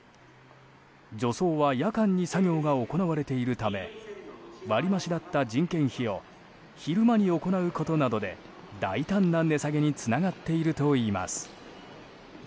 除草は夜間に作業が行われているため割り増しだった人件費を昼間に行うことなどで大胆な値下げにつながっているといいます。